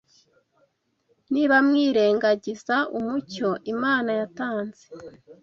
Niba mwirengagiza umucyo Imana yatanze